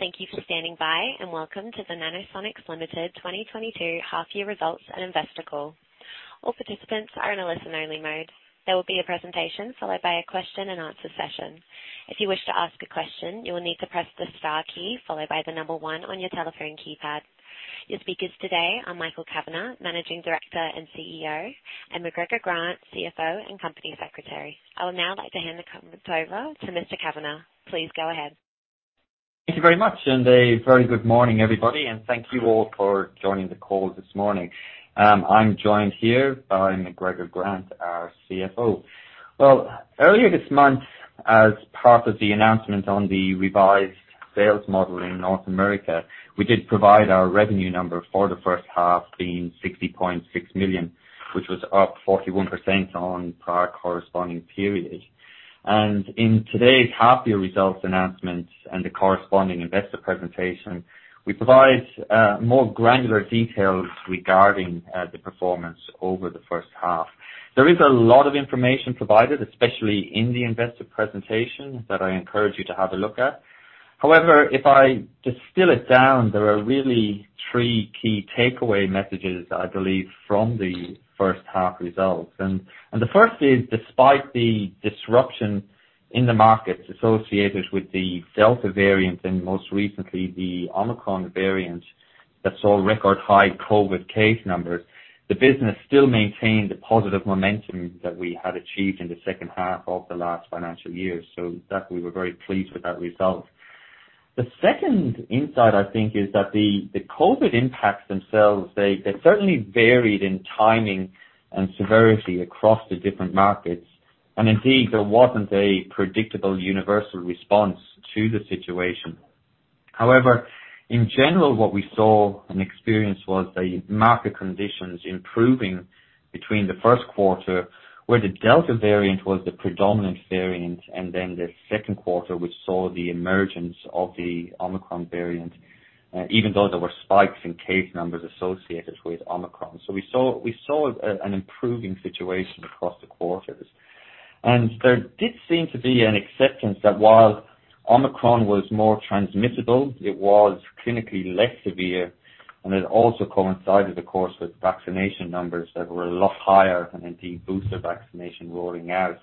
Thank you for standing by, and welcome to the Nanosonics Limited 2022 half year results and investor call. All participants are in a listen only mode. There will be a presentation followed by a question and answer session. If you wish to ask a question, you will need to press the star key followed by the number one on your telephone keypad. Your speakers today are Michael Kavanagh, Managing Director and CEO, and McGregor Grant, CFO and Company Secretary. I would now like to hand the conference over to Mr. Kavanagh. Please go ahead. Thank you very much, and a very good morning, everybody, and thank you all for joining the call this morning. I'm joined here by McGregor Grant, our CFO. Well, earlier this month, as part of the announcement on the revised sales model in North America, we did provide our revenue number for the first half being 60.6 million, which was up 41% on prior corresponding period. In today's half year results announcement and the corresponding investor presentation, we provide more granular details regarding the performance over the first half. There is a lot of information provided, especially in the investor presentation, that I encourage you to have a look at. However, if I distill it down, there are really three key takeaway messages, I believe, from the first half results. The first is despite the disruption in the markets associated with the Delta variant and most recently the Omicron variant that saw record high COVID case numbers, the business still maintained the positive momentum that we had achieved in the second half of the last financial year. That we were very pleased with that result. The second insight, I think, is that the COVID impacts themselves, they certainly varied in timing and severity across the different markets. Indeed there wasn't a predictable universal response to the situation. However, in general, what we saw and experienced was the market conditions improving between the first quarter, where the Delta variant was the predominant variant, and then the second quarter, which saw the emergence of the Omicron variant, even though there were spikes in case numbers associated with Omicron. We saw an improving situation across the quarters. There did seem to be an acceptance that while Omicron was more transmissible, it was clinically less severe, and it also coincided of course, with vaccination numbers that were a lot higher than indeed booster vaccination rolling out.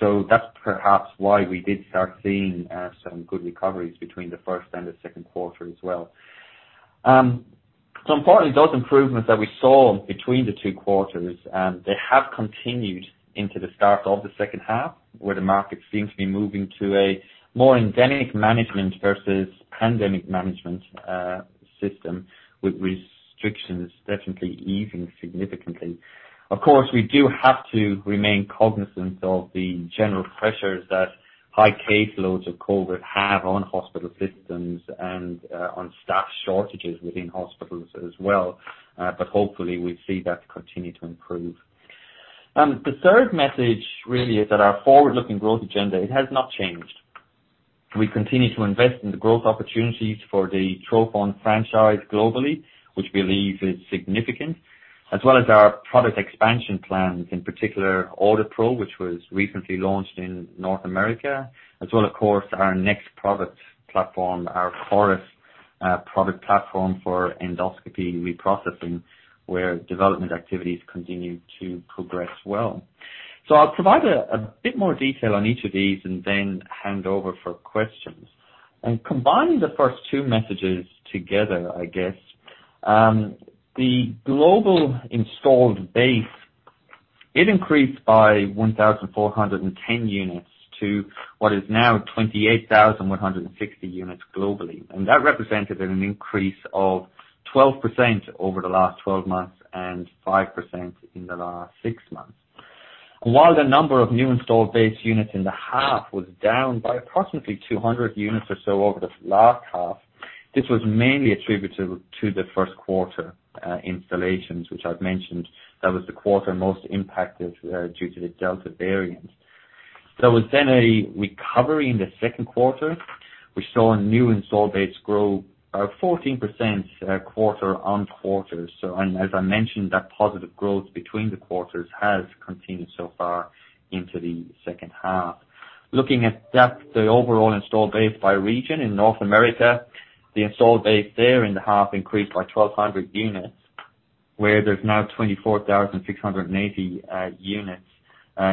That's perhaps why we did start seeing some good recoveries between the first and the second quarter as well. Importantly, those improvements that we saw between the two quarters, they have continued into the start of the second half, where the market seems to be moving to a more endemic management versus pandemic management system with restrictions definitely easing significantly. Of course, we do have to remain cognizant of the general pressures that high caseloads of COVID have on hospital systems and on staff shortages within hospitals as well. Hopefully we see that continue to improve. The third message really is that our forward-looking growth agenda, it has not changed. We continue to invest in the growth opportunities for the trophon franchise globally, which we believe is significant, as well as our product expansion plans, in particular, AuditPro, which was recently launched in North America, as well, of course, our next product platform, our CORIS product platform for endoscopy reprocessing, where development activities continue to progress well. I'll provide a bit more detail on each of these and then hand over for questions. Combining the first two messages together, I guess. The global installed base, it increased by 1,410 units to what is now 28,160 units globally. That represented an increase of 12% over the last 12 months and 5% in the last six months. While the number of new installed base units in the half was down by approximately 200 units or so over the last half, this was mainly attributed to the first quarter installations, which I've mentioned. That was the quarter most impacted due to the Delta variant. There was a recovery in the second quarter. We saw a new installed base grow 14% quarter-on-quarter. As I mentioned, that positive growth between the quarters has continued so far into the second half. Looking at that, the overall installed base by region in North America, the installed base there in the half increased by 1,200 units, where there's now 24,680 units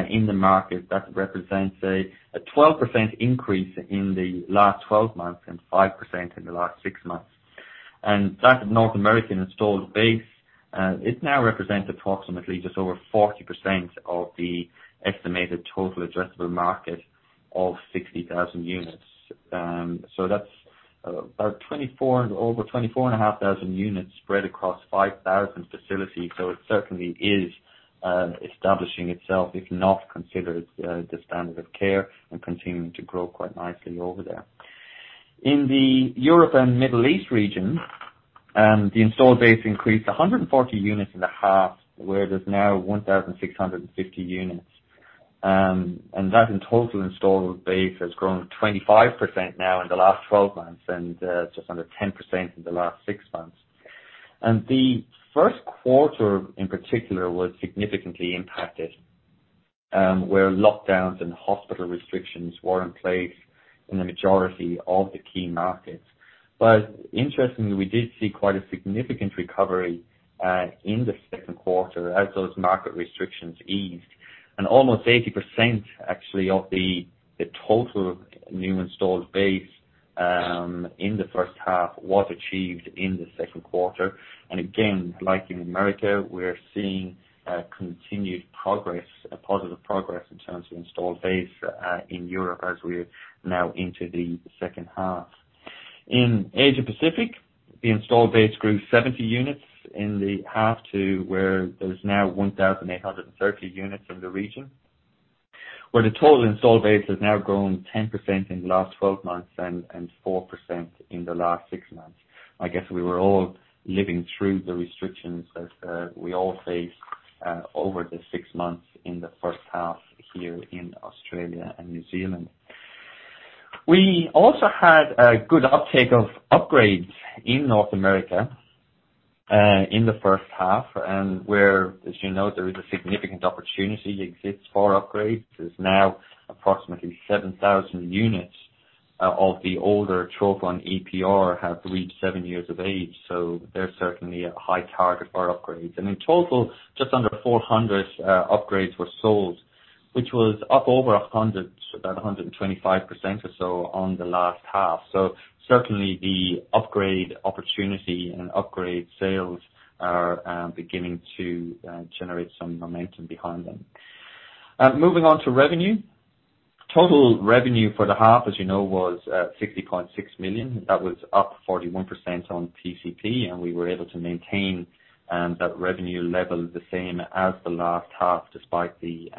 in the market. That represents a 12% increase in the last twelve months and 5% in the last six months. That North American installed base, it now represents approximately just over 40% of the estimated total addressable market of 60,000 units. So that's about over 24,500 units spread across 5,000 facilities. It certainly is establishing itself, if not considered the standard of care and continuing to grow quite nicely over there. In the Europe and Middle East region, the installed base increased 140 units in the half, where there's now 1,650 units. That in total installed base has grown 25% now in the last twelve months and just under 10% in the last six months. The first quarter in particular was significantly impacted, where lockdowns and hospital restrictions were in place in the majority of the key markets. Interestingly, we did see quite a significant recovery in the second quarter as those market restrictions eased. Almost 80% actually of the total new installed base in the first half was achieved in the second quarter. Again, like in America, we are seeing continued progress, positive progress in terms of installed base in Europe as we're now into the second half. In Asia Pacific, the installed base grew 70 units in the half to where there's now 1,830 units in the region, where the total installed base has now grown 10% in the last 12 months and 4% in the last six months. I guess we were all living through the restrictions as we all faced over the six months in the first half here in Australia and New Zealand. We also had a good uptake of upgrades in North America in the first half, and where, as you know, there is a significant opportunity exists for upgrades. There's now approximately 7,000 units of the older trophon EPR that have reached seven years of age, so they're certainly a high target for upgrades. In total, just under 400 upgrades were sold, which was up over 100, about 125% or so on the last half. Certainly the upgrade opportunity and upgrade sales are beginning to generate some momentum behind them. Moving on to revenue. Total revenue for the half, as you know, was 60.6 million. That was up 41% on PCP, and we were able to maintain that revenue level the same as the last half, despite the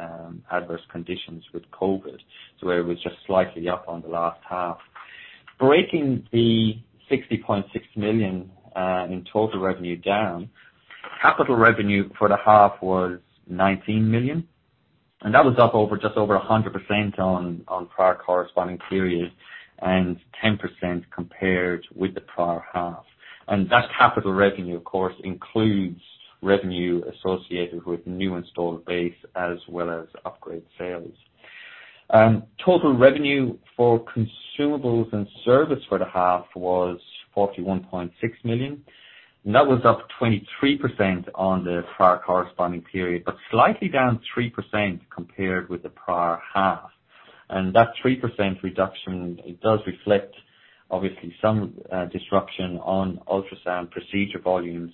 adverse conditions with COVID. It was just slightly up on the last half. Breaking the 60.6 million in total revenue down, capital revenue for the half was 19 million, and that was up over just over 100% on prior corresponding periods and 10% compared with the prior half. That capital revenue, of course, includes revenue associated with new installed base as well as upgrade sales. Total revenue for consumables and service for the half was 41.6 million, and that was up 23% on the prior corresponding period, but slightly down 3% compared with the prior half. That 3% reduction, it does reflect obviously some disruption on ultrasound procedure volumes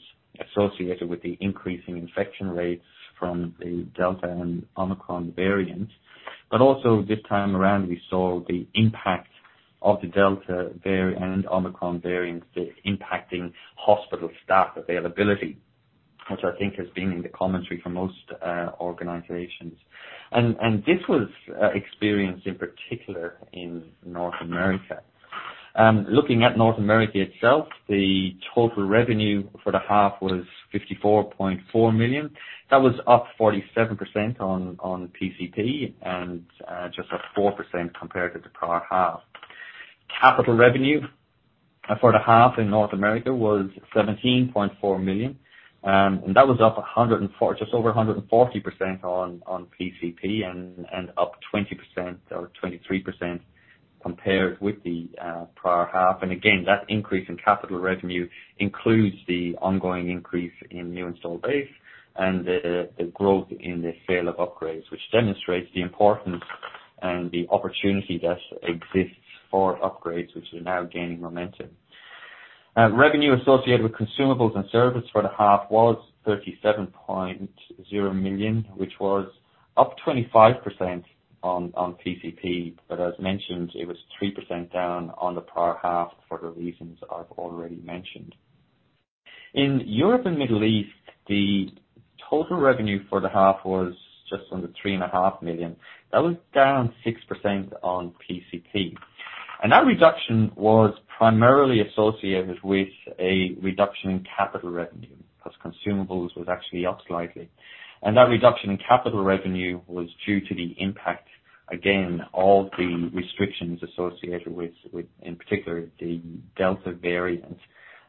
associated with the increasing infection rates from the Delta and Omicron variants. Also this time around, we saw the impact of the Delta variant and Omicron variants impacting hospital staff availability, which I think has been in the commentary for most organizations. This was experienced in particular in North America. Looking at North America itself, the total revenue for the half was 54.4 million. That was up 47% on PCP and just up 4% compared to the prior half. Capital revenue for the half in North America was 17.4 million, and that was up just over 140% on PCP and up 20% or 23% compared with the prior half. Again, that increase in capital revenue includes the ongoing increase in new installed base and the growth in the sale of upgrades, which demonstrates the importance and the opportunity that exists for upgrades which are now gaining momentum. Revenue associated with consumables and service for the half was 37.0 million, which was up 25% on PCP, but as mentioned, it was 3% down on the prior half for the reasons I've already mentioned. In Europe and Middle East, the total revenue for the half was just under 3.5 million. That was down 6% on PCP. That reduction was primarily associated with a reduction in capital revenue, as consumables was actually up slightly. That reduction in capital revenue was due to the impact, again, of the restrictions associated with, in particular, the Delta variant,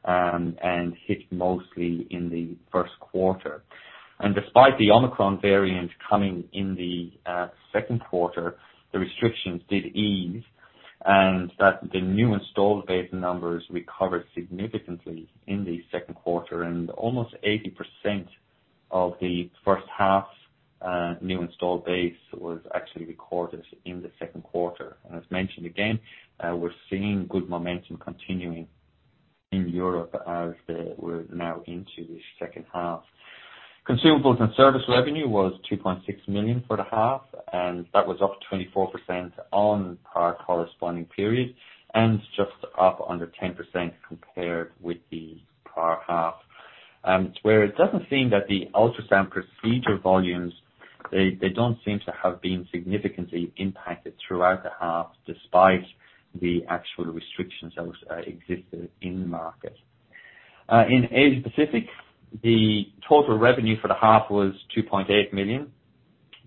and hit mostly in the first quarter. Despite the Omicron variant coming in the second quarter, the restrictions did ease, and that the new installed base numbers recovered significantly in the second quarter, and almost 80% of the first half's new installed base was actually recorded in the second quarter. As mentioned, again, we're seeing good momentum continuing in Europe as we're now into the second half. Consumables and service revenue was 2.6 million for the half, and that was up 24% on prior corresponding period, and just up under 10% compared with the prior half. Where it doesn't seem that the ultrasound procedure volumes they don't seem to have been significantly impacted throughout the half, despite the actual restrictions that existed in the market. In Asia Pacific, the total revenue for the half was 2.8 million.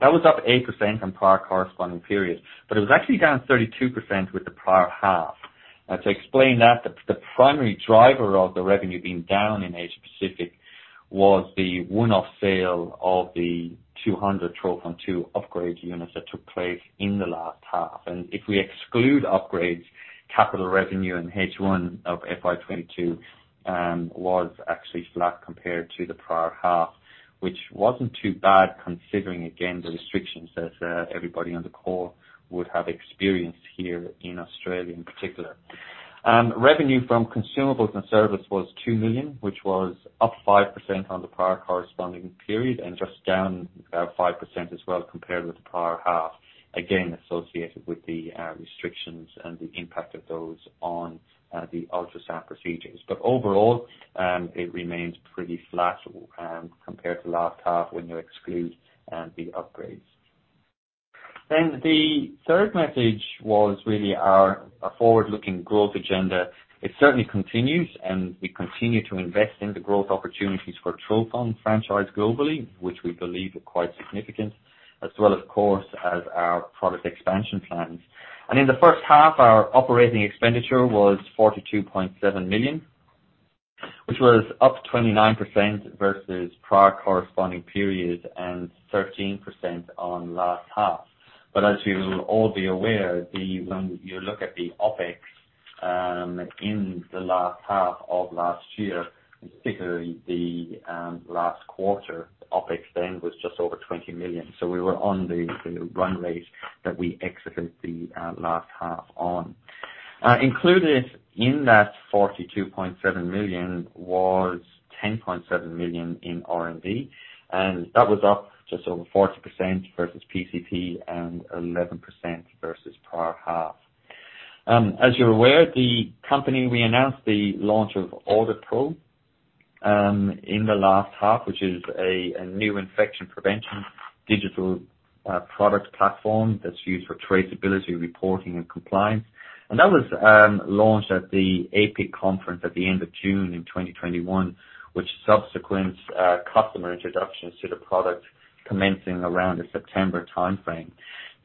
That was up 8% from prior corresponding periods, but it was actually down 32% with the prior half. Now, to explain that, the primary driver of the revenue being down in Asia Pacific was the one-off sale of the 200 trophon 2 upgrade units that took place in the last half. If we exclude upgrades, capital revenue in H1 of FY 2022 was actually flat compared to the prior half, which wasn't too bad considering again the restrictions everybody on the call would have experienced here in Australia in particular. Revenue from consumables and service was 2 million, which was up 5% on the prior corresponding period and just down about 5% as well compared with the prior half, again, associated with the restrictions and the impact of those on the ultrasound procedures. Overall, it remains pretty flat compared to last half when you exclude the upgrades. The third message was really our, a forward-looking growth agenda. It certainly continues, and we continue to invest in the growth opportunities for trophon franchise globally, which we believe are quite significant, as well as, of course, as our product expansion plans. In the first half, our operating expenditure was 42.7 million, which was up 29% versus prior corresponding periods, and 13% on last half. As you will all be aware, the When you look at the OpEx in the last half of last year, and particularly the last quarter, OpEx then was just over 20 million. We were on the run rate that we exited the last half on. Included in that 42.7 million was 10.7 million in R&D, and that was up just over 40% versus PCP and 11% versus prior half. As you're aware, the company we announced the launch of AuditPro in the last half, which is a new infection prevention digital product platform that's used for traceability, reporting, and compliance. That was launched at the APIC conference at the end of June in 2021, with subsequent customer introductions to the product commencing around the September timeframe.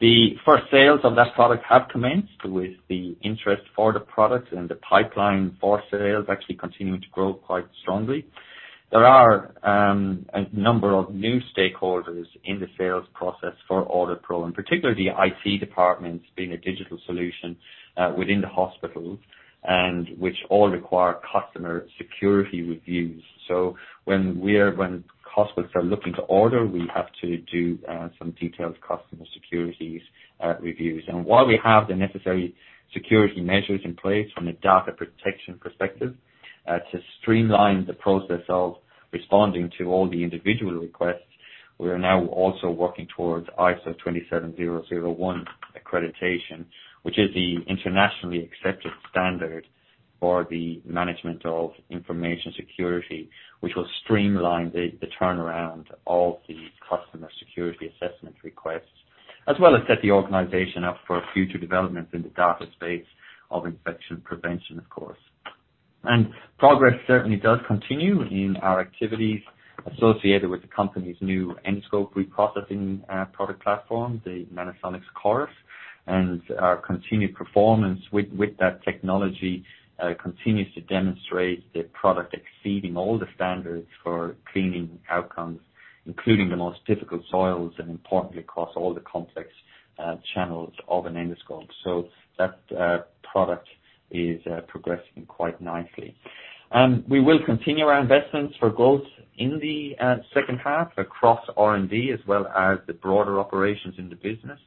The first sales of that product have commenced, with the interest for the product and the pipeline for sales actually continuing to grow quite strongly. There are a number of new stakeholders in the sales process for AuditPro, and particularly IT departments, being a digital solution within the hospital, which all require customer security reviews. When hospitals are looking to order, we have to do some detailed customer security reviews. While we have the necessary security measures in place from a data protection perspective, to streamline the process of responding to all the individual requests, we are now also working towards ISO 27001 accreditation, which is the internationally accepted standard for the management of information security, which will streamline the turnaround of the customer security assessment requests, as well as set the organization up for future developments in the data space of infection prevention, of course. Progress certainly does continue in our activities associated with the company's new endoscope reprocessing product platform, the Nanosonics CORIS, and our continued performance with that technology continues to demonstrate the product exceeding all the standards for cleaning outcomes, including the most difficult soils and importantly, across all the complex channels of an endoscope. That product is progressing quite nicely. We will continue our investments for growth in the second half across R&D, as well as the broader operations in the business,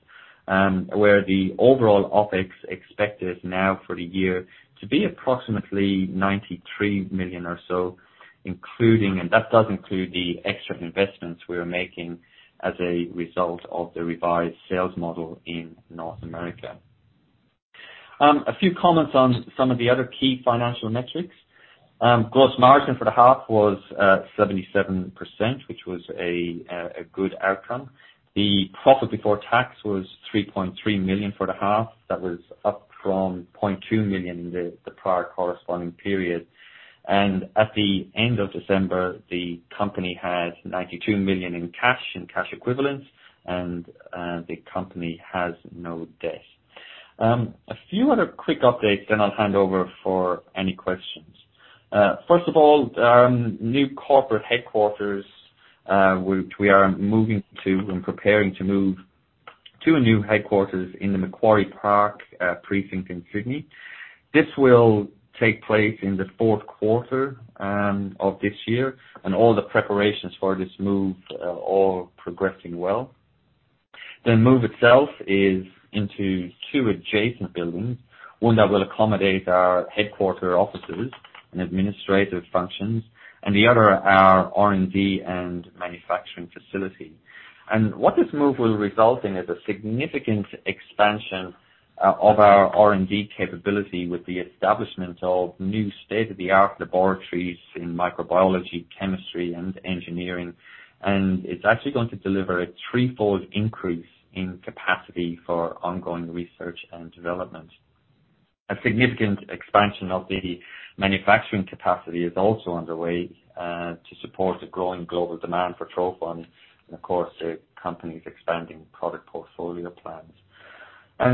where the overall OpEx expected now for the year to be approximately 93 million or so, including and that does include the extra investments we are making as a result of the revised sales model in North America. A few comments on some of the other key financial metrics. Gross margin for the half was 77%, which was a good outcome. The profit before tax was 3.3 million for the half. That was up from 0.2 million in the prior corresponding period. At the end of December, the company had 92 million in cash and cash equivalents, and the company has no debt. A few other quick updates then I'll hand over for any questions. First of all, new corporate headquarters, which we are moving to and preparing to move to a new headquarters in the Macquarie Park precinct in Sydney. This will take place in the fourth quarter of this year, and all the preparations for this move are all progressing well. The move itself is into two adjacent buildings, one that will accommodate our headquarters offices and administrative functions, and the other our R&D and manufacturing facility. What this move will result in is a significant expansion of our R&D capability with the establishment of new state-of-the-art laboratories in microbiology, chemistry, and engineering. It's actually going to deliver a threefold increase in capacity for ongoing research and development. A significant expansion of the manufacturing capacity is also underway to support the growing global demand for trophon, and of course, the company's expanding product portfolio plans.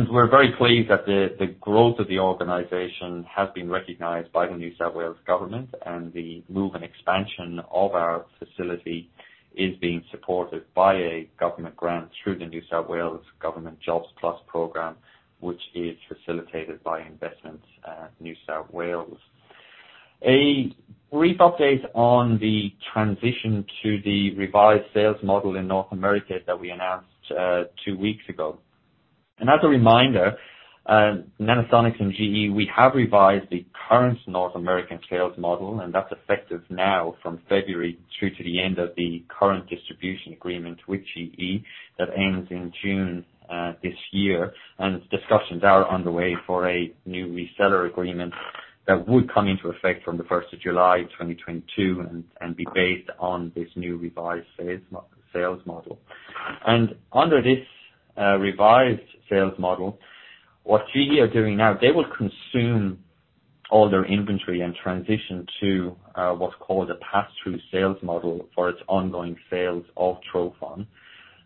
We're very pleased that the growth of the organization has been recognized by the New South Wales government, and the move and expansion of our facility is being supported by a government grant through the New South Wales Government Jobs Plus program, which is facilitated by Investment New South Wales. A brief update on the transition to the revised sales model in North America that we announced two weeks ago. As a reminder, Nanosonics and GE, we have revised the current North American sales model, and that's effective now from February through to the end of the current distribution agreement with GE that ends in June this year. Discussions are underway for a new reseller agreement that would come into effect from July 1, 2022, and be based on this new revised sales model. Under this revised sales model, what GE are doing now, they will consume all their inventory and transition to what's called a pass-through sales model for its ongoing sales of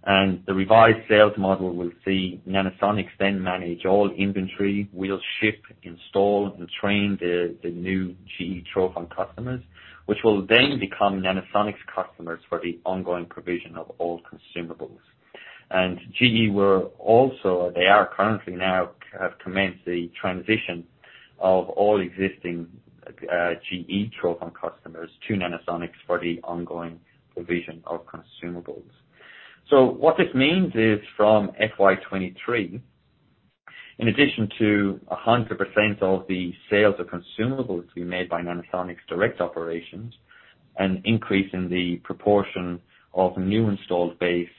trophon. The revised sales model will see Nanosonics then manage all inventory. We'll ship, install, and train the new GE trophon customers, which will then become Nanosonics customers for the ongoing provision of all consumables. GE will also. They have currently commenced the transition of all existing GE trophon customers to Nanosonics for the ongoing provision of consumables. What this means is from FY 2023, in addition to 100% of the sales of consumables to be made by Nanosonics direct operations, an increase in the proportion of new installed base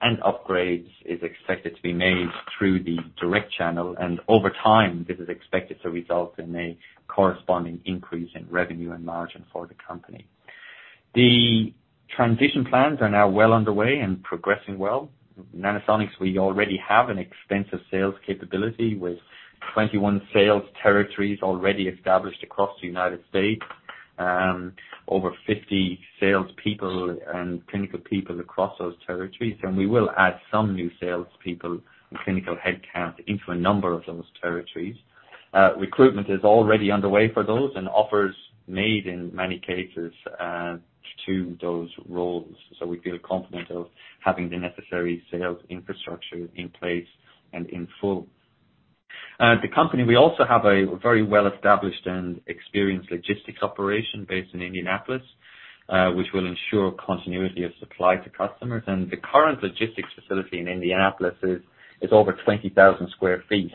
and upgrades is expected to be made through the direct channel. Over time, this is expected to result in a corresponding increase in revenue and margin for the company. The transition plans are now well underway and progressing well. Nanosonics, we already have an extensive sales capability with 21 sales territories already established across the United States. Over 50 salespeople and clinical people across those territories, and we will add some new salespeople and clinical headcount into a number of those territories. Recruitment is already underway for those, and offers made in many cases, to those roles. We feel confident of having the necessary sales infrastructure in place and in full. The company, we also have a very well-established and experienced logistics operation based in Indianapolis, which will ensure continuity of supply to customers. The current logistics facility in Indianapolis is over 20,000 sq ft.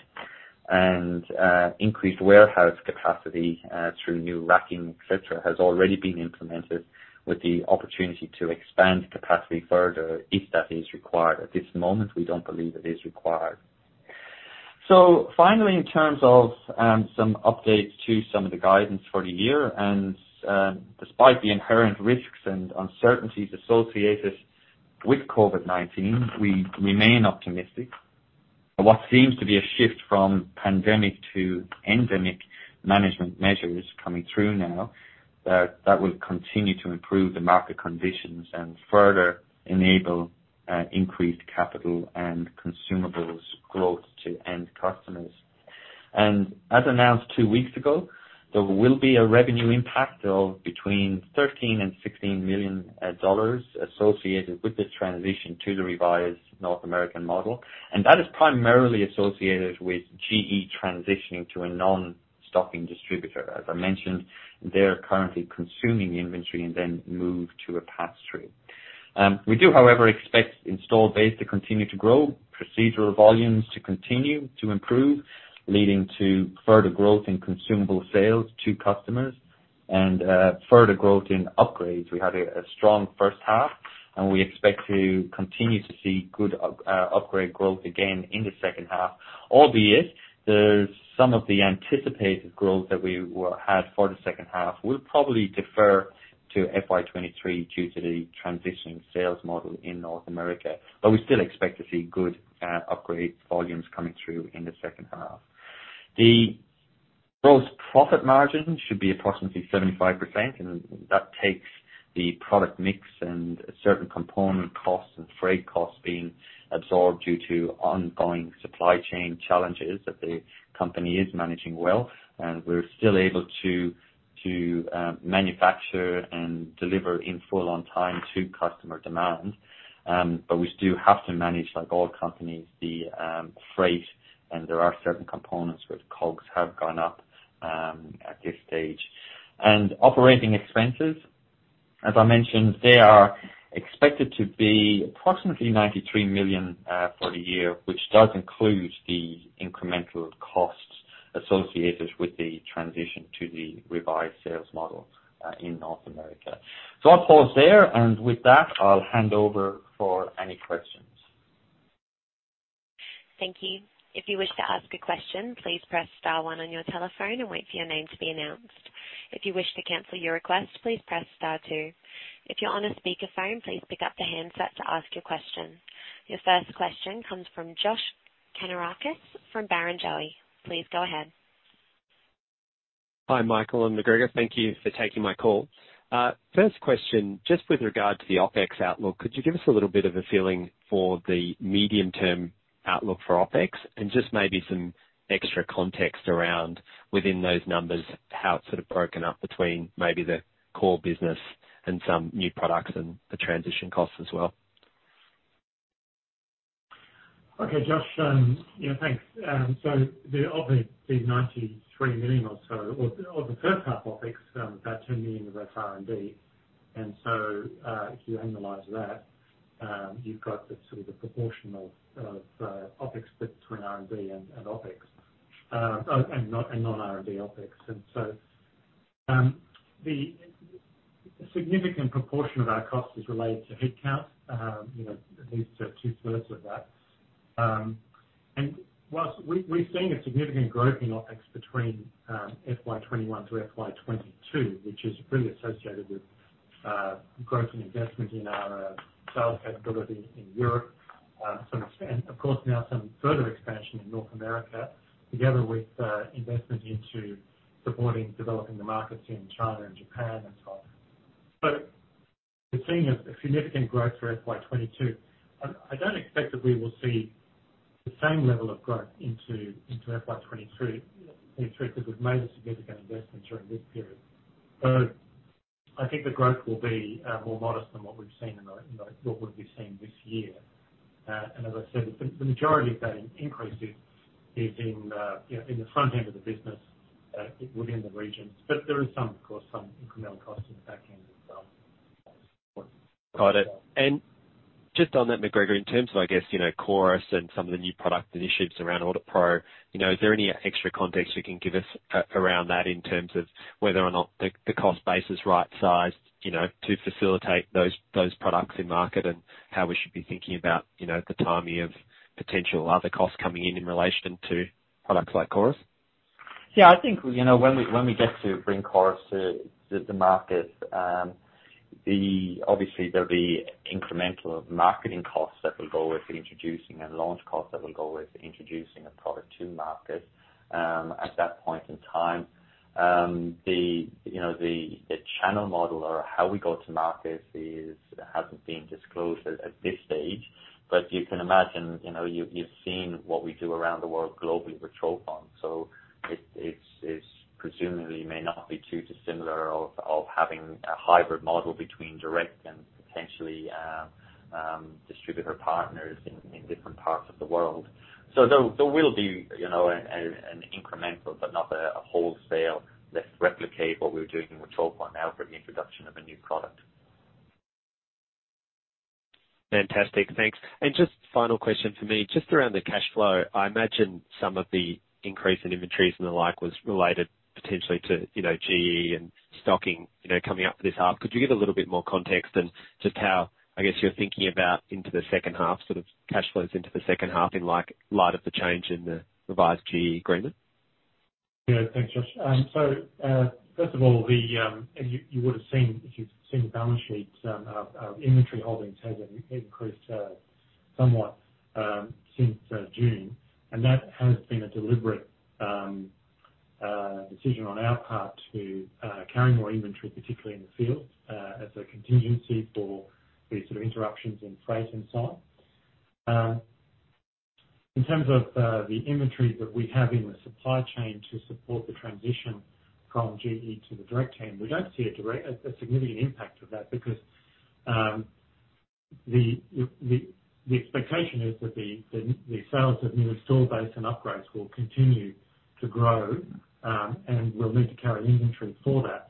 Increased warehouse capacity through new racking, et cetera, has already been implemented with the opportunity to expand capacity further if that is required. At this moment, we don't believe it is required. Finally, in terms of some updates to some of the guidance for the year, despite the inherent risks and uncertainties associated with COVID-19, we remain optimistic. What seems to be a shift from pandemic to endemic management measures coming through now, that will continue to improve the market conditions and further enable increased capital and consumables growth to end customers. As announced two weeks ago, there will be a revenue impact of between 13 million and 16 million dollars associated with the transition to the revised North American model. That is primarily associated with GE transitioning to a non-stocking distributor. As I mentioned, they're currently consuming inventory and then move to a pass-through. We do, however, expect installed base to continue to grow, procedural volumes to continue to improve, leading to further growth in consumable sales to customers and further growth in upgrades. We had a strong first half, and we expect to continue to see good upgrade growth again in the second half. Albeit the sum of the anticipated growth that we will have for the second half will probably defer to FY 2023 due to the transitioning sales model in North America. We still expect to see good upgrade volumes coming through in the second half. The gross profit margin should be approximately 75%, and that takes the product mix and certain component costs and freight costs being absorbed due to ongoing supply chain challenges that the company is managing well. We're still able to manufacture and deliver in full on time to customer demand. We do have to manage, like all companies, the freight, and there are certain components where COGS have gone up, at this stage. Operating expenses, as I mentioned, they are expected to be approximately 93 million for the year, which does include the incremental costs associated with the transition to the revised sales model in North America. I'll pause there, and with that, I'll hand over for any questions. Thank you. If you wish to ask a question, please press star one on your telephone and wait for your name to be announced. If you wish to cancel your request, please press star two. If you're on a speakerphone, please pick up the handset to ask your question. Your first question comes from Josh Kannourakis from Barrenjoey. Please go ahead. Hi, Michael and McGregor. Thank you for taking my call. First question, just with regard to the OpEx outlook, could you give us a little bit of a feeling for the medium-term outlook for OpEx and just maybe some extra context around, within those numbers, how it's sort of broken up between maybe the core business and some new products and the transition costs as well? Okay, Josh. Yeah, thanks. So the 93 million or so or the first half OpEx, about 10 million of that's R&D. If you annualize that, you've got the sort of proportion of OpEx split between R&D and OpEx and non-R&D OpEx. The significant proportion of our cost is related to headcount. You know, at least two-thirds of that. While we've seen a significant growth in OpEx between FY 2021 and FY 2022, which is really associated with growth and investment in our sales capability in Europe. So of course now some further expansion in North America together with investment into supporting developing the markets in China and Japan and so on. We're seeing a significant growth for FY 2022. I don't expect that we will see the same level of growth into FY 2023, because we've made a significant investment during this period. I think the growth will be more modest than what we've seen in the, you know, what we've been seeing this year. And as I said, the majority of that increase is in, you know, in the front end of the business, within the regions. There is some, of course, some incremental cost in the back end as well. Got it. Just on that, McGregor, in terms of, I guess, you know, CORIS and some of the new product initiatives around AuditPro, you know, is there any extra context you can give us a-around that in terms of whether or not the cost base is right sized, you know, to facilitate those products in market and how we should be thinking about, you know, the timing of potential other costs coming in relation to products like CORIS? Yeah, I think, you know, when we get to bring CORIS to the market. Obviously, there'll be incremental marketing costs that will go with introducing and launch costs that will go with introducing a product to market, at that point in time. The channel model or how we go to market hasn't been disclosed at this stage. But you can imagine, you know, you've seen what we do around the world globally with trophon. So it's presumably may not be too dissimilar of having a hybrid model between direct and potentially distributor partners in different parts of the world. So there will be, you know, an incremental but not a wholesale, let's replicate what we're doing with trophon now for the introduction of a new product. Fantastic. Thanks. Just final question for me, just around the cash flow. I imagine some of the increase in inventories and the like was related potentially to, you know, GE and stocking, you know, coming up for this half. Could you give a little bit more context and just how, I guess, you're thinking about into the second half, sort of cash flows into the second half in like light of the change in the revised GE agreement? Yeah. Thanks, Josh. First of all, you would have seen, if you've seen the balance sheets, inventory holdings has increased somewhat since June, and that has been a deliberate decision on our part to carry more inventory, particularly in the field, as a contingency for the sort of interruptions in freight and so on. In terms of the inventory that we have in the supply chain to support the transition from GE to the direct team, we don't see a significant impact of that because the expectation is that the sales of new installed base and upgrades will continue to grow, and we'll need to carry inventory for that.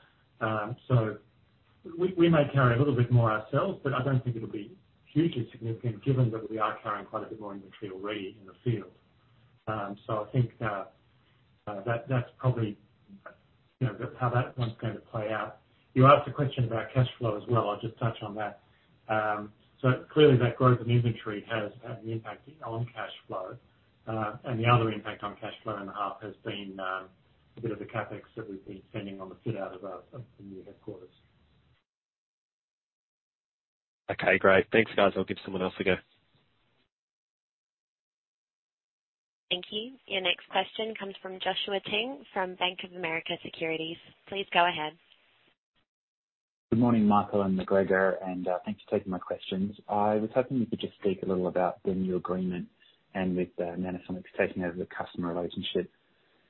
We may carry a little bit more ourselves, but I don't think it'll be hugely significant given that we are carrying quite a bit more inventory already in the field. I think that's probably, you know, how that one's going to play out. You asked a question about cash flow as well. I'll just touch on that. Clearly that growth in inventory has had an impact on cash flow. The other impact on cash flow in the half has been a bit of the CapEx that we've been spending on the fit out of the new headquarters. Okay, great. Thanks, guys. I'll give someone else a go. Thank you. Your next question comes from Joshua Ting from Bank of America Securities. Please go ahead. Good morning, Michael and MacGregor, and thanks for taking my questions. I was hoping you could just speak a little about the new agreement and with Nanosonics taking over the customer relationship.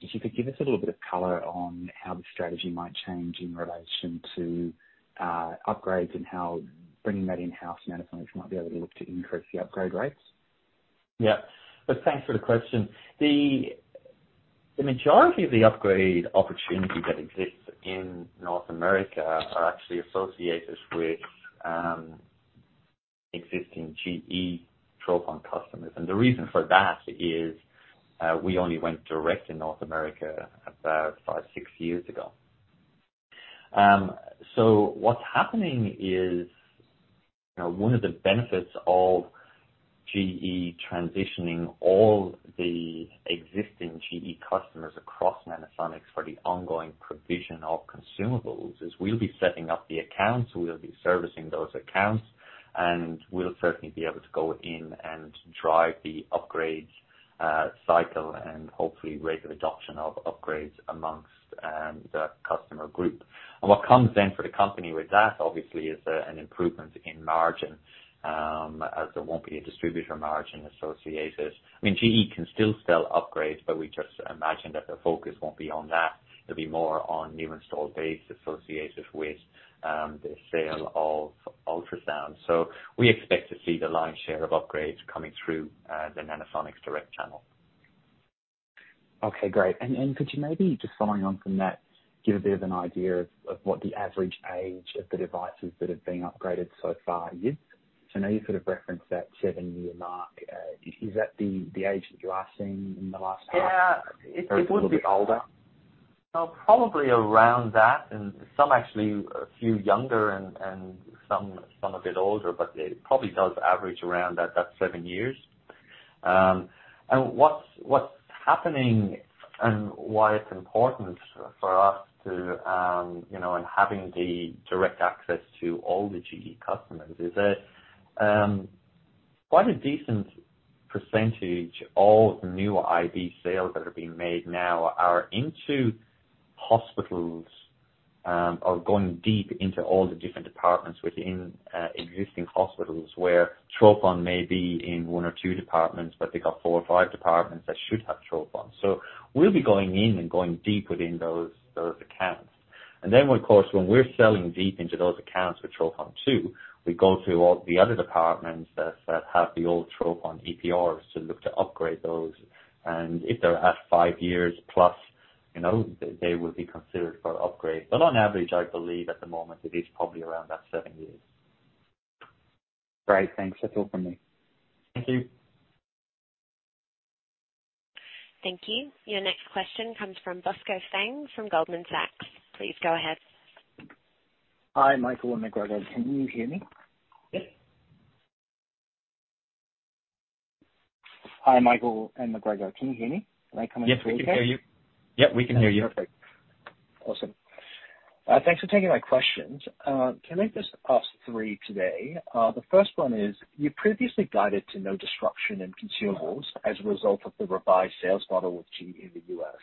If you could give us a little bit of color on how the strategy might change in relation to upgrades and how bringing that in-house to Nanosonics might be able to look to increase the upgrade rates. Yeah. Look, thanks for the question. The majority of the upgrade opportunity that exists in North America are actually associated with existing GE trophon customers. The reason for that is we only went direct in North America about five-six years ago. So what's happening is, you know, one of the benefits of GE transitioning all the existing GE customers across Nanosonics for the ongoing provision of consumables is we'll be setting up the accounts, we'll be servicing those accounts, and we'll certainly be able to go in and drive the upgrades cycle and hopefully rate of adoption of upgrades amongst the customer group. What comes then for the company with that, obviously, is an improvement in margin as there won't be a distributor margin associated. I mean, GE can still sell upgrades, but we just imagine that the focus won't be on that. It'll be more on new installed base associated with the sale of ultrasound. We expect to see the lion's share of upgrades coming through the Nanosonics direct channel. Okay, great. Could you maybe just following on from that, give a bit of an idea of what the average age of the devices that have been upgraded so far is? I know you sort of referenced that seven-year mark. Is that the age that you are seeing in the last half? Yeah. It would be older? No, probably around that, and some actually a few younger and some a bit older, but it probably does average around at that seven years. What's happening and why it's important for us to, you know, and having the direct access to all the GE customers is that quite a decent percentage. All of the new US sales that are being made now are into hospitals, are going deep into all the different departments within existing hospitals where trophon may be in one or two departments, but they've got four or five departments that should have trophon. We'll be going in and going deep within those accounts. Of course, when we're selling deep into those accounts with trophon2, we go through all the other departments that have the old trophon EPRs to look to upgrade those. If they're at five years plus, you know, they would be considered for upgrade. On average, I believe at the moment it is probably around that seven years. Great. Thanks. That's all from me. Thank you. Thank you. Your next question comes from Bosco Fang from Goldman Sachs. Please go ahead. Hi, Michael and McGregor. Can you hear me? Yes. Hi, Michael and McGregor. Can you hear me? Am I coming through okay? Yes, we can hear you. Yep, we can hear you. Perfect. Awesome. Thanks for taking my questions. Can I just ask three today? The first one is, you previously guided to no disruption in consumables as a result of the revised sales model with GE in the U.S.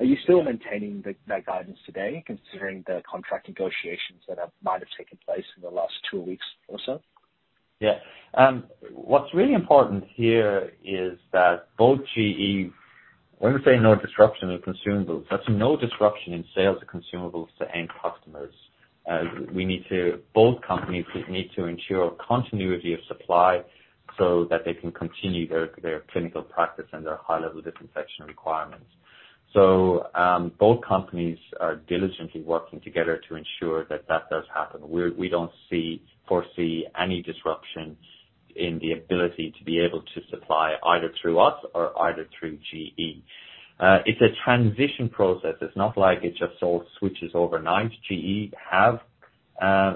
Are you still maintaining that guidance today considering the contract negotiations that might have taken place in the last two weeks or so? Yeah. What's really important here is that both GE. When we say no disruption in consumables, that's no disruption in sales of consumables to end customers. Both companies need to ensure continuity of supply so that they can continue their clinical practice and their high level disinfection requirements. Both companies are diligently working together to ensure that that does happen. We don't foresee any disruption in the ability to be able to supply either through us or through GE. It's a transition process. It's not like it just all switches overnight. GE have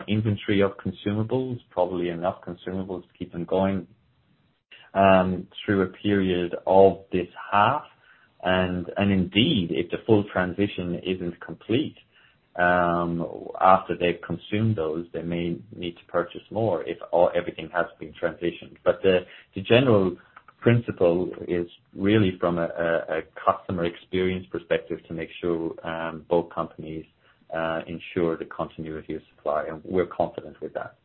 inventory of consumables, probably enough consumables to keep them going through a period of this half. Indeed, if the full transition isn't complete, after they've consumed those, they may need to purchase more if everything has been transitioned. The general principle is really from a customer experience perspective to make sure both companies ensure the continuity of supply. We're confident with that.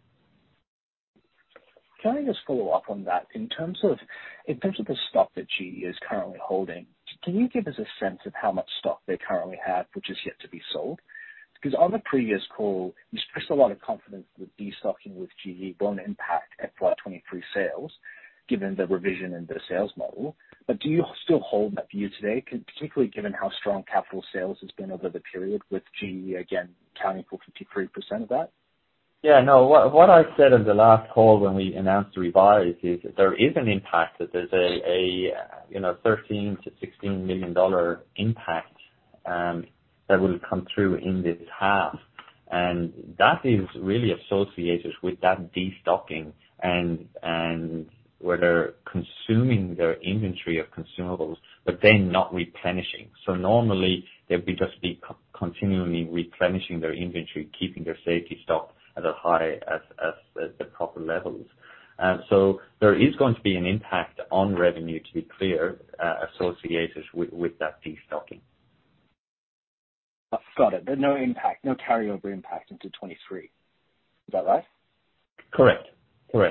Can I just follow up on that? In terms of the stock that GE is currently holding, can you give us a sense of how much stock they currently have, which is yet to be sold? 'Cause on the previous call, you expressed a lot of confidence with destocking with GE won't impact FY 2023 sales, given the revision in the sales model. Do you still hold that view today, particularly given how strong capital sales has been over the period with GE, again, accounting for 53% of that? Yeah, no. What I said in the last call when we announced the revised is there is an impact, that there's a, you know, 13 million-16 million dollar impact, that will come through in this half. That is really associated with that destocking and where they're consuming their inventory of consumables, but then not replenishing. Normally they'd just be continually replenishing their inventory, keeping their safety stock at a high, at the proper levels. There is going to be an impact on revenue, to be clear, associated with that destocking. Got it. No impact, no carryover impact into 2023. Is that right? Correct. From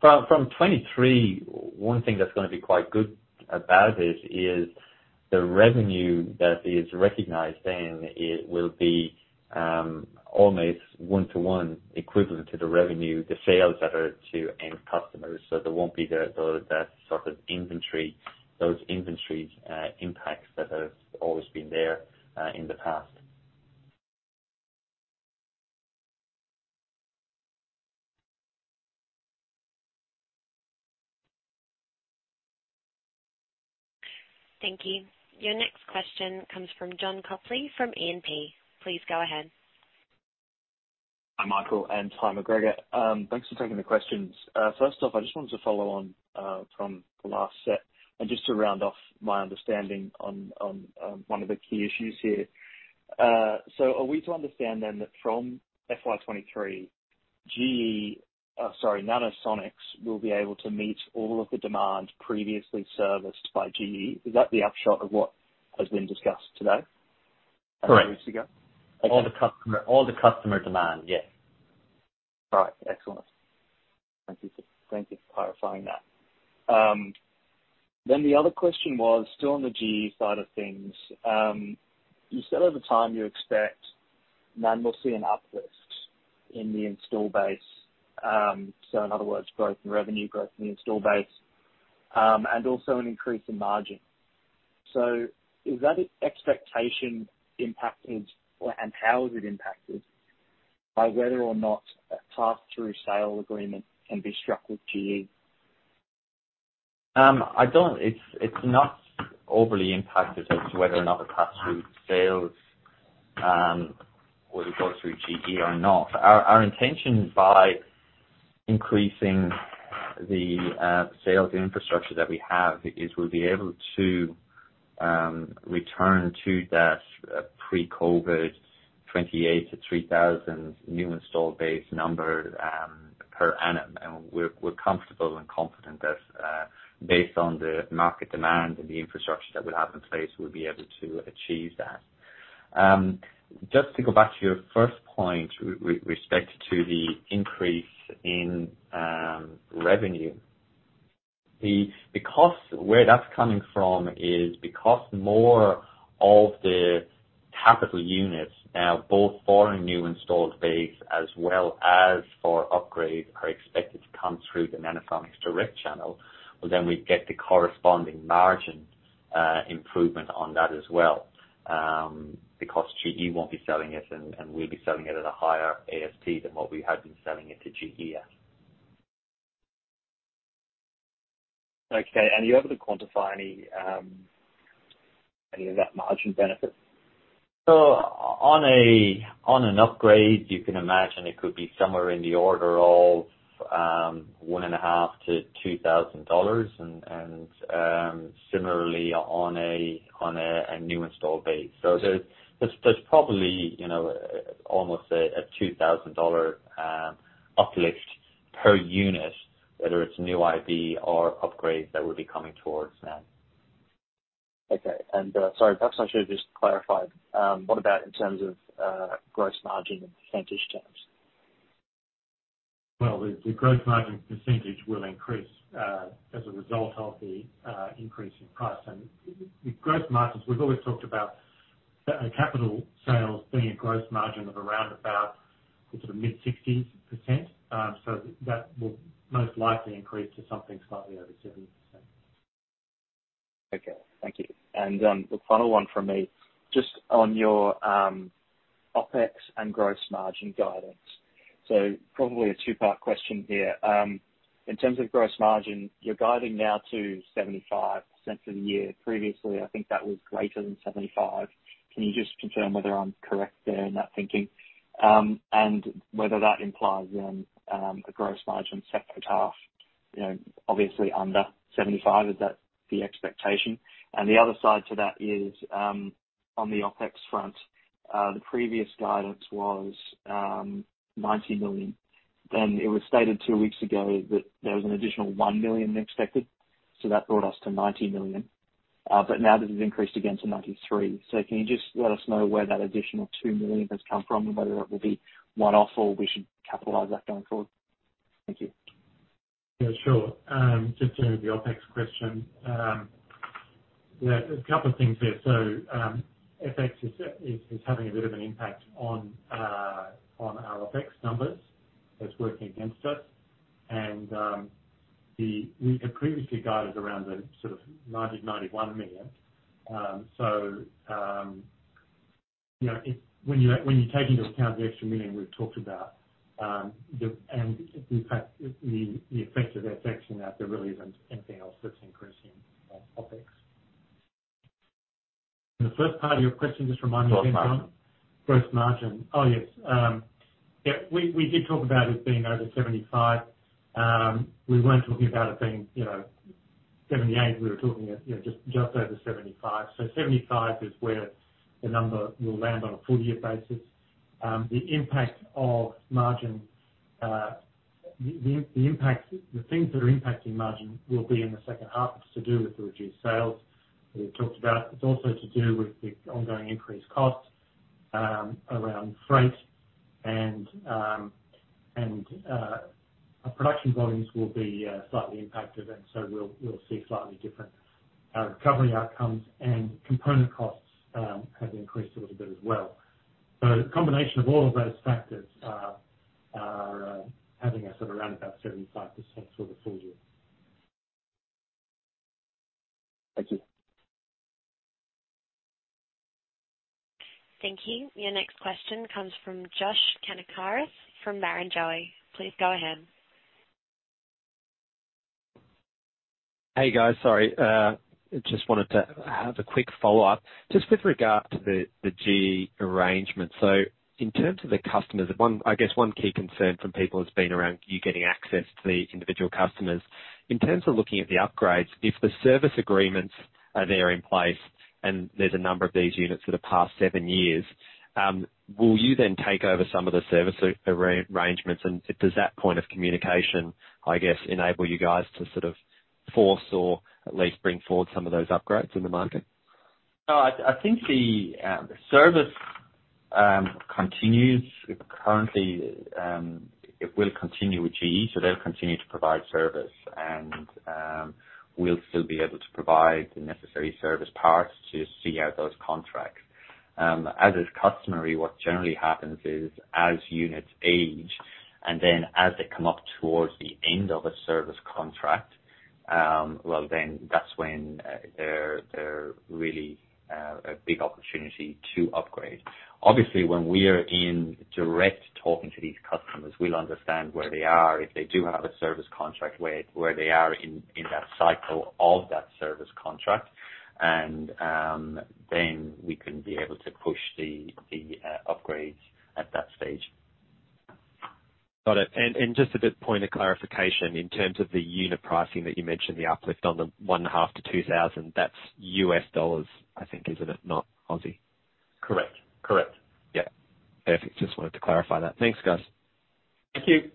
2023, one thing that's gonna be quite good about this is the revenue that is recognized then will be almost one-to-one equivalent to the revenue, the sales that are to end customers. There won't be that sort of inventory impacts that have always been there in the past. Thank you. Your next question comes from John Copley from E&P. Please go ahead. Hi, Michael, and hi, McGregor. Thanks for taking the questions. First off, I just wanted to follow on from the last set and just to round off my understanding on one of the key issues here. Are we to understand then that from FY 2023, Nanosonics will be able to meet all of the demand previously serviced by GE? Is that the upshot of what has been discussed today? Correct. A few weeks ago. All the customer demand, yes. Right. Excellent. Thank you for clarifying that. The other question was still on the GE side of things. You said over time. Then we'll see an uplift in the install base. In other words, growth in revenue, growth in the install base, and also an increase in margin. Is that expectation impacted, and how is it impacted by whether or not a pass-through sale agreement can be struck with GE? It's not overly impacted as to whether or not pass-through sales, whether it goes through GE or not. Our intention by increasing the sales infrastructure that we have is we'll be able to return to that pre-COVID 28 to 3,000 new installed base number per annum. We're comfortable and confident that, based on the market demand and the infrastructure that we have in place, we'll be able to achieve that. Just to go back to your first point with respect to the increase in revenue. Because where that's coming from is because more of the capital units now, both for a new installed base as well as for upgrade, are expected to come through the Nanosonics direct channel, well, then we'd get the corresponding margin improvement on that as well. Because GE won't be selling it and we'll be selling it at a higher ASP than what we had been selling it to GE at. Okay. Are you able to quantify any of that margin benefit? On an upgrade, you can imagine it could be somewhere in the order of 1,500-2,000 dollars and similarly on a new installed base. There's probably, you know, almost a 2,000 dollar uplift per unit, whether it's new IP or upgrades that would be coming towards them. Okay. Sorry, perhaps I should have just clarified. What about in terms of gross margin in percentage terms? The gross margin percentage will increase as a result of the increase in price. With gross margins, we've always talked about the capital sales being a gross margin of around about the sort of mid-60s%. That will most likely increase to something slightly over 70%. Okay. Thank you. The final one from me, just on your OpEx and gross margin guidance. Probably a two-part question here. In terms of gross margin, you're guiding now to 75% for the year. Previously, I think that was greater than 75%. Can you just confirm whether I'm correct there in that thinking? And whether that implies then a gross margin second half, you know, obviously under 75%. Is that the expectation? The other side to that is on the OpEx front, the previous guidance was 90 million. Then it was stated two weeks ago that there was an additional 1 million expected. That brought us to 90 million. But now this has increased again to 93 million. Can you just let us know where that additional 2 million has come from and whether it will be one-off or we should capitalize that going forward? Thank you. Yeah, sure. Just in the OpEx question. Yeah, a couple of things there. FX is having a bit of an impact on our OpEx numbers. It's working against us. We had previously guided around the sort of 90 million-91 million. You know, when you take into account the extra 1 million we've talked about, and the fact, the effect of FX in that, there really isn't anything else that's increasing on OpEx. The first part of your question, just remind me again, Tom. Gross margin. Gross margin. Oh, yes. Yeah, we did talk about it being over 75%. We weren't talking about it being, you know, 78%. We were talking, you know, just over 75%. 75% is where the number will land on a full year basis. The impact of margin, the things that are impacting margin will be in the second half. It's to do with the reduced sales we talked about. It's also to do with the ongoing increased costs around freight and our production volumes will be slightly impacted, and so we'll see slightly different recovery outcomes and component costs have increased a little bit as well. The combination of all of those factors are having us at around about 75% for the full year. Thank you. Thank you. Your next question comes from Josh Kannourakis from Barrenjoey. Please go ahead. Hey, guys. Sorry. Just wanted to have a quick follow-up just with regard to the GE arrangement. In terms of the customers, one, I guess one key concern from people has been around you getting access to the individual customers. In terms of looking at the upgrades, if the service agreements are there in place and there's a number of these units for the past seven years, will you then take over some of the service arrangements? Does that point of communication, I guess, enable you guys to sort of force or at least bring forward some of those upgrades in the market? No, I think the service continues currently. It will continue with GE, so they'll continue to provide service. We'll still be able to provide the necessary service parts to see out those contracts. As is customary, what generally happens is as units age, and then as they come up towards the end of a service contract, well, then that's when there's really a big opportunity to upgrade. Obviously, when we're directly talking to these customers, we'll understand where they are if they do have a service contract, where they are in that cycle of that service contract. Then we can be able to push the upgrades at that stage. Got it. Just a bit point of clarification, in terms of the unit pricing that you mentioned, the uplift on the $0.5-$2,000, that's US dollars, I think, isn't it? Not AUD. Correct. Yeah. Perfect. Just wanted to clarify that. Thanks, guys. Thank you.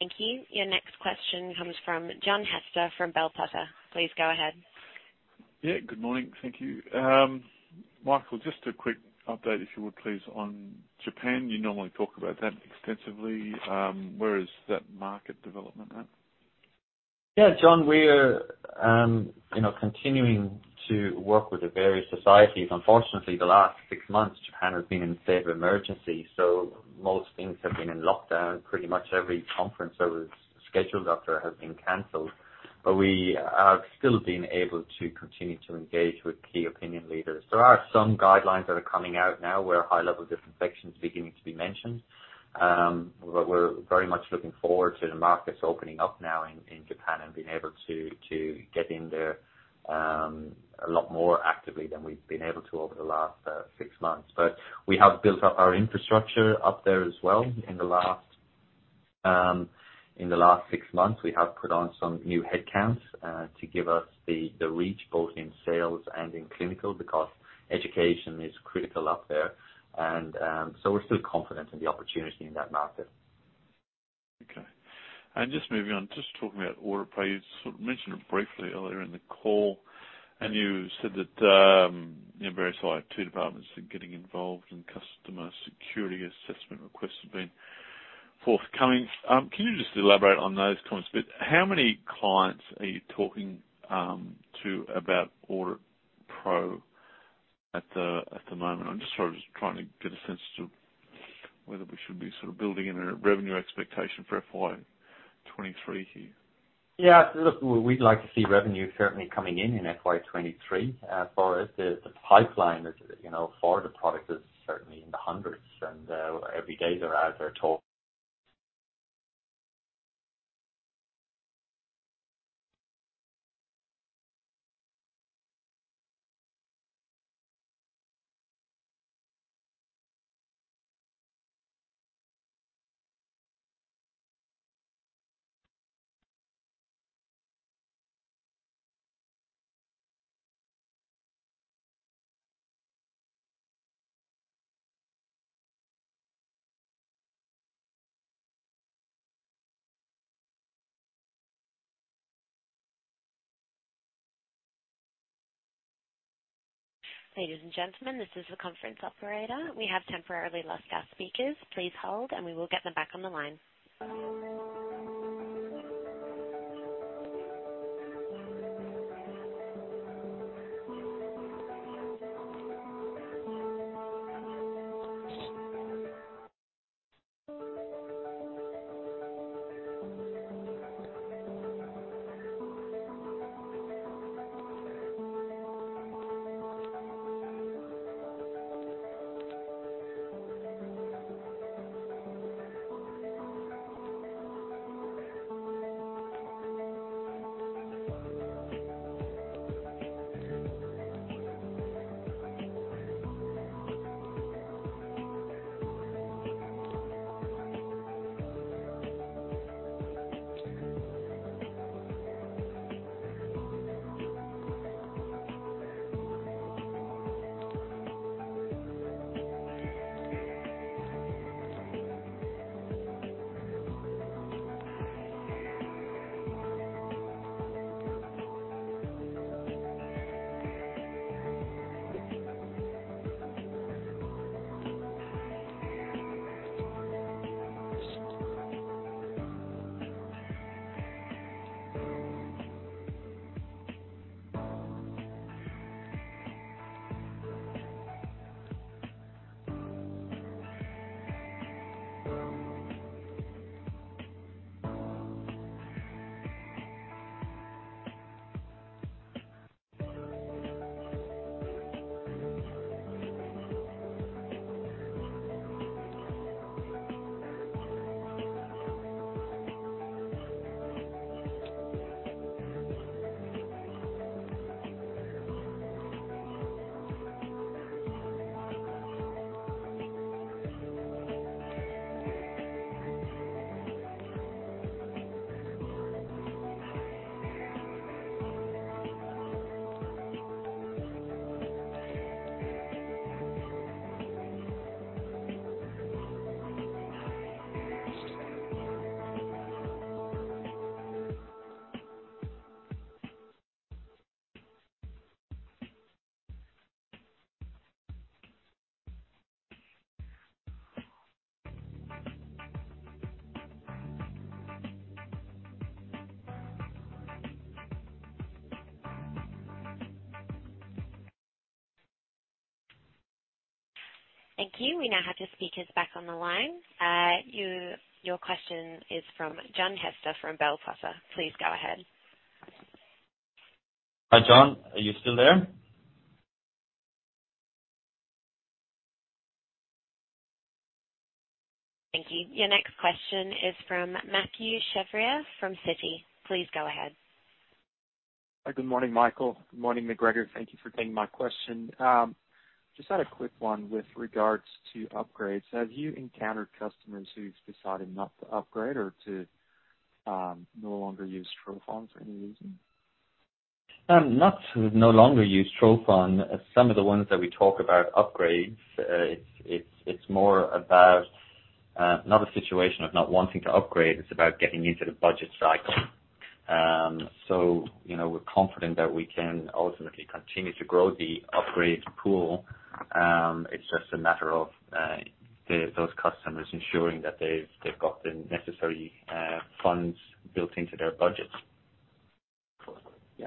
Thank you. Your next question comes from John Hester from Bell Potter. Please go ahead. Yeah, good morning. Thank you. Michael, just a quick update, if you would please, on Japan. You normally talk about that extensively. Where is that market development at? Yeah, John, we're, you know, continuing to work with the various societies. Unfortunately, the last six months, Japan has been in a state of emergency, so most things have been in lockdown. Pretty much every conference I was scheduled after has been canceled. We have still been able to continue to engage with key opinion leaders. There are some guidelines that are coming out now where high level disinfection is beginning to be mentioned. We're very much looking forward to the markets opening up now in Japan and being able to get in there a lot more actively than we've been able to over the last six months. We have built up our infrastructure up there as well in the last six months. We have put on some new headcounts, to give us the reach both in sales and in clinical, because education is critical up there. We're still confident in the opportunity in that market. Okay. Just moving on, just talking about AuditPro. You sort of mentioned it briefly earlier in the call, and you said that, you know, various IT departments are getting involved and customer security assessment requests have been forthcoming. Can you just elaborate on those comments a bit? How many clients are you talking to about AuditPro at the moment? I'm just sort of trying to get a sense of whether we should be sort of building in a revenue expectation for FY 2023 here? Yeah. Look, we'd like to see revenue certainly coming in in FY 2023. For us, the pipeline is, you know, for the product is certainly in the hundreds. Every day there are talk. Ladies and gentlemen, this is the conference operator. We have temporarily lost our speakers. Please hold, and we will get them back on the line. Thank you. We now have the speakers back on the line. Your question is from John Hester from Bell Potter. Please go ahead. Hi, John. Are you still there? Thank you. Your next question is from Mathieu Chevrier from Citi. Please go ahead. Good morning, Michael. Good morning, McGregor. Thank you for taking my question. Just had a quick one with regards to upgrades. Have you encountered customers who've decided not to upgrade or to no longer use trophon for any reason? It's not about no longer using trophon. Some of the ones that we talk about upgrades, it's more about not a situation of not wanting to upgrade, it's about getting into the budget cycle. You know, we're confident that we can ultimately continue to grow the upgrade pool. It's just a matter of those customers ensuring that they've got the necessary funds built into their budget. Yeah.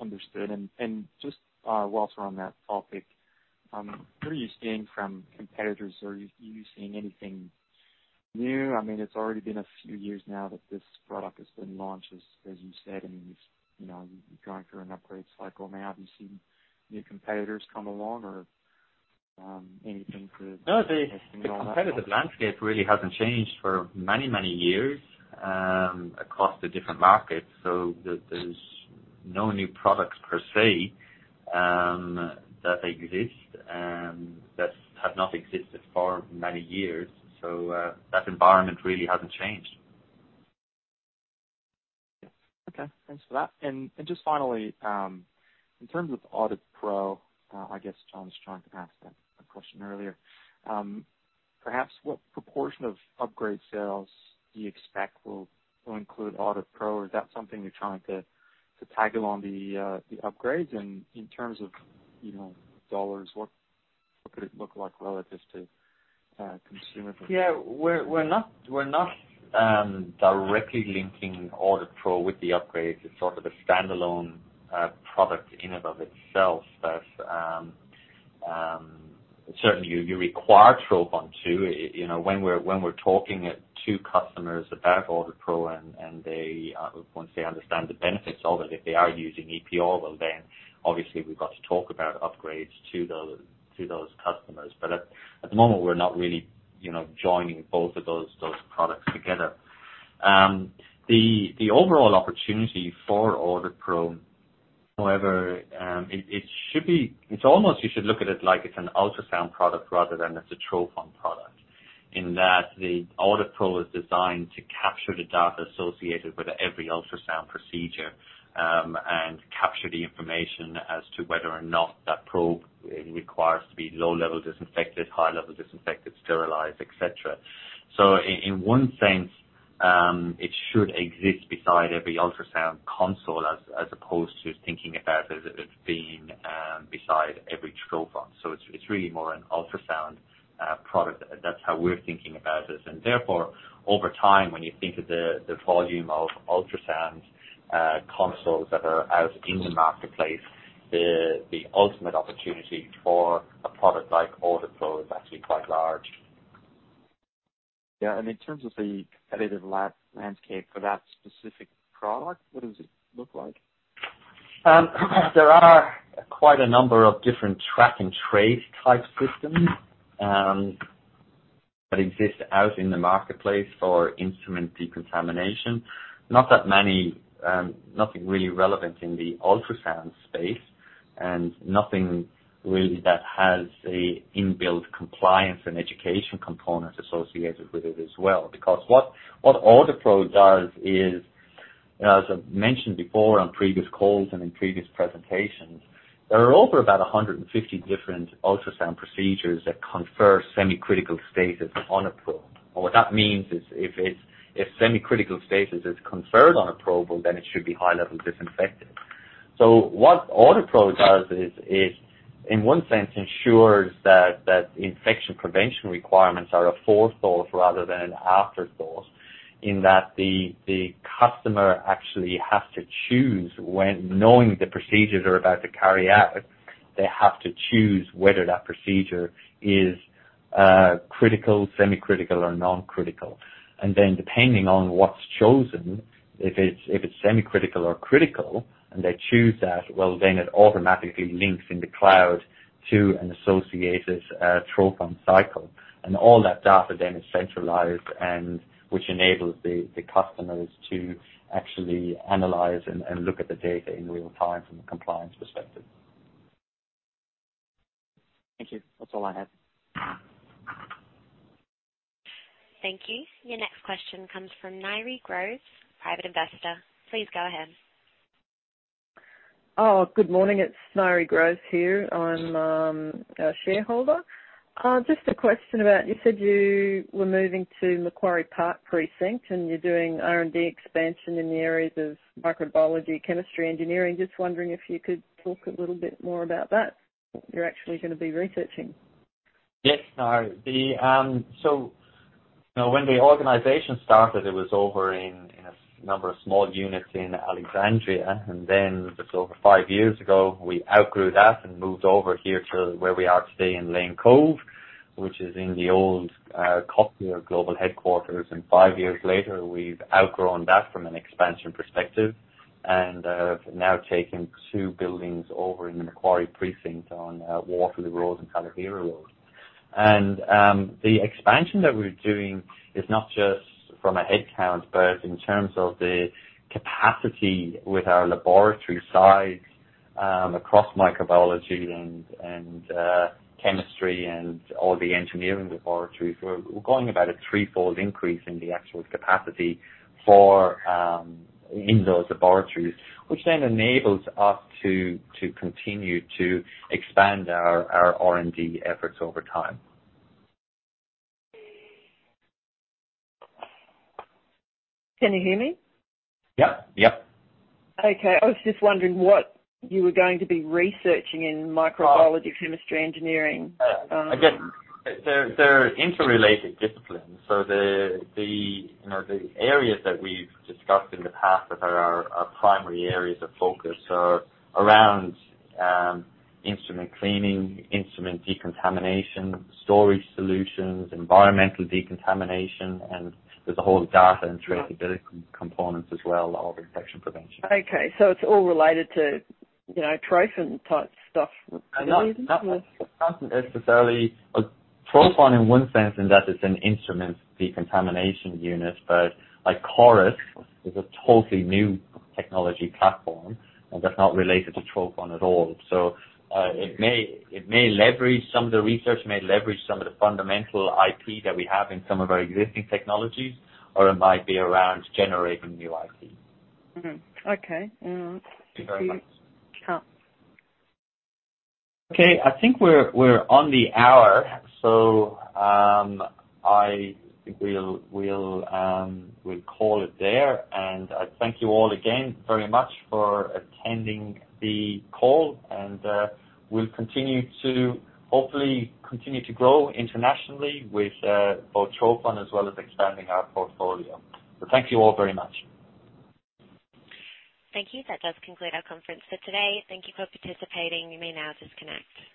Understood. Just while we're on that topic, what are you seeing from competitors? Are you seeing anything new? I mean, it's already been a few years now that this product has been launched, as you said, and it's, you know, going through an upgrade cycle now. Have you seen new competitors come along or anything to? No, the competitive landscape really hasn't changed for many, many years across the different markets. There, there's no new products per se that exist that have not existed for many years. That environment really hasn't changed. Okay. Thanks for that. Just finally, in terms of AuditPro, I guess John was trying to ask that question earlier. Perhaps what proportion of upgrade sales do you expect will include AuditPro? Is that something you're trying to tag along the upgrades? In terms of, you know, dollars, what could it look like relative to consumer- Yeah. We're not directly linking AuditPro with the upgrades. It's sort of a standalone product in and of itself that certainly you require trophon, too. You know, when we're talking to customers about AuditPro and they once they understand the benefits of it, if they are using EPR, well, then obviously we've got to talk about upgrades to those customers. But at the moment, we're not really, you know, joining both of those products together. The overall opportunity for AuditPro, however, it should be. It's almost, you should look at it like it's an ultrasound product rather than it's a trophon product, in that the AuditPro is designed to capture the data associated with every ultrasound procedure, and capture the information as to whether or not that probe requires to be low-level disinfected, high-level disinfected, sterilized, et cetera. In one sense, it should exist beside every ultrasound console as opposed to thinking about it being beside every trophon. It's really more an ultrasound product. That's how we're thinking about this. Therefore, over time, when you think of the volume of ultrasound consoles that are out in the marketplace, the ultimate opportunity for a product like AuditPro is actually quite large. Yeah. In terms of the competitive landscape for that specific product, what does it look like? There are quite a number of different track and trace type systems that exist out in the marketplace for instrument decontamination. Not that many, nothing really relevant in the ultrasound space and nothing really that has a built-in compliance and education component associated with it as well. Because what AuditPro does is, as I've mentioned before on previous calls and in previous presentations, there are over about 150 different ultrasound procedures that confer semi-critical status on a probe. What that means is if semi-critical status is conferred on a probe, well then it should be high-level disinfected. What AuditPro does is in one sense ensures that infection prevention requirements are a forethought rather than an afterthought, in that the customer actually has to choose when knowing the procedures they're about to carry out, they have to choose whether that procedure is critical, semi-critical or non-critical. Then depending on what's chosen, if it's semi-critical or critical and they choose that, well, then it automatically links in the cloud to an associated trophon cycle. All that data then is centralized and which enables the customers to actually analyze and look at the data in real time from a compliance perspective. Thank you. That's all I have. Thank you. Your next question comes from Ngaire Groves, private investor. Please go ahead. Oh, good morning. It's Ngaire Groves here. I'm a shareholder. Just a question about you said you were moving to Macquarie Park Precinct and you're doing R&D expansion in the areas of microbiology, chemistry, engineering. Just wondering if you could talk a little bit more about that, what you're actually gonna be researching. You know, when the organization started, it was over in a number of small units in Alexandria, and then just over five years ago, we outgrew that and moved over here to where we are today in Lane Cove, which is in the old Coloplast Global Headquarters. Five years later, we've outgrown that from an expansion perspective and have now taken two buildings over in the Macquarie Precinct on Waterloo Road and Talavera Road. The expansion that we're doing is not just from a headcount, but in terms of the capacity with our laboratory size across microbiology and chemistry and all the engineering laboratories. We're going about a threefold increase in the actual capacity for in those laboratories, which then enables us to continue to expand our R&D efforts over time. Can you hear me? Yep, yep. Okay. I was just wondering what you were going to be researching in microbiology, chemistry, engineering. Again, they're interrelated disciplines. The, you know, the areas that we've discussed in the past that are our primary areas of focus are around instrument cleaning, instrument decontamination, storage solutions, environmental decontamination, and there's a whole data and traceability components as well of infection prevention. It's all related to, you know, trophon-type stuff, would you say? Not necessarily. Trophon in one sense in that it's an instrument decontamination unit, but like CORIS is a totally new technology platform and that's not related to Trophon at all. It may leverage some of the research, it may leverage some of the fundamental IP that we have in some of our existing technologies, or it might be around generating new IP. Okay. Thanks. Thank you very much. Okay. I think we're on the hour, so, I think we'll call it there. I thank you all again very much for attending the call and, we'll continue to hopefully continue to grow internationally with, both trophon as well as expanding our portfolio. Thank you all very much. Thank you. That does conclude our conference for today. Thank you for participating. You may now disconnect.